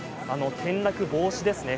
転落防止ですね